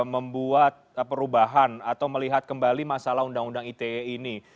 membuat perubahan atau melihat kembali masalah undang undang ite ini